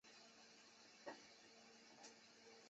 没有发不动的问题